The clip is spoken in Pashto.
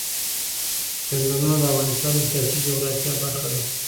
چنګلونه د افغانستان د سیاسي جغرافیه برخه ده.